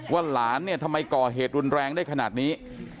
ว่าหลานทำไมก่อเหตุรนแรงได้ขนาดนี้